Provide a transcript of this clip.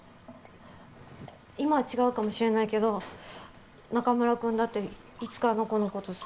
今は違うかもしれないけど中村くんだっていつかあの子の事。